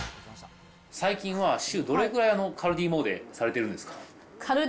最近は週どれくらいカルディ詣でされてるんですか？